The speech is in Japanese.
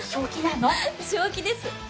正気です。